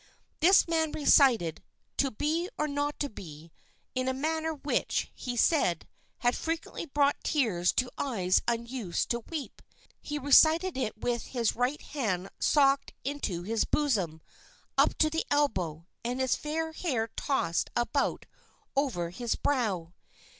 This man recited "To be or not to be" in a manner which, he said, had frequently brought tears to eyes unused to weep. He recited it with his right hand socked into his bosom up to the elbow and his fair hair tossed about over his brow.